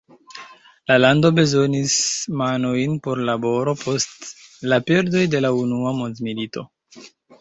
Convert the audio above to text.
La lando bezonis manojn por laboro post la perdoj de la Unua Mondmilito.